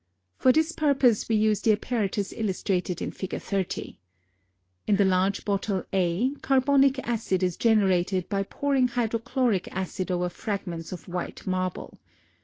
For this purpose we use the apparatus illustrated in Fig. 30. In the large bottle A carbonic acid is generated by pouring hydrochloric acid over fragments of white marble.